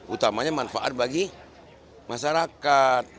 utamanya manfaat bagi masyarakat